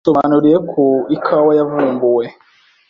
yadusobanuriye ko ikawa yavumbuwe